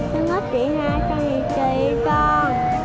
con thấy chị hai con gì kỳ con